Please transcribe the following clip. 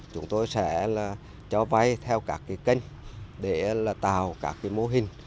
chúng tôi sẽ cho vay theo các kênh để tạo các mô hình